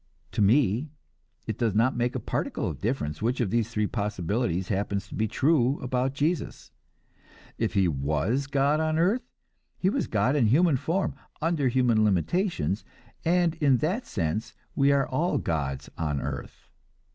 To me it does not make a particle of difference which of the three possibilities happens to be true about Jesus. If he was God on earth, he was God in human form, under human limitations, and in that sense we are all gods on earth.